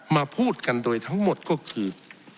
พูดกันโดยทั้งหมดก็คือ